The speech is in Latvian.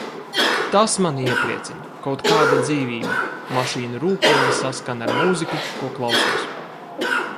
Tas mani iepriecina. Kaut kāda dzīvība. Mašīnu rūkoņa saskan ar mūziku, ko klausos.